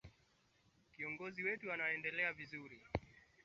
kiongozi aliyekuwa na ujumbe wa magufuli aliitwa kwenye kamati ya maadili